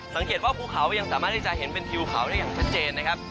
สังเกตว่าภูเขายังสามารถที่จะเห็นเป็นทิวเขาได้อย่างชัดเจนนะครับ